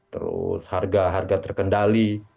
terus harga harga terkendali